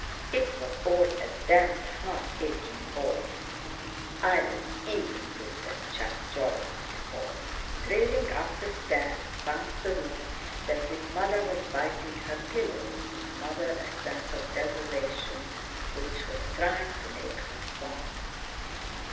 It was all a damned heart aching bore. "I'll be even with that chap Jolly," he thought, trailing up the stairs, past the room where his mother was biting her pillow to smother a sense of desolation which was trying to make her sob.